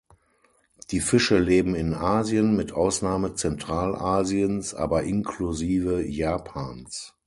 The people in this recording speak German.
Die Fische leben in Asien, mit Ausnahme Zentralasiens, aber inklusive Japans.